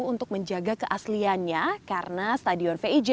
untuk menjaga keasliannya karena stadion vij